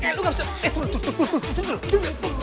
eh lo gabusin eh turun turun turun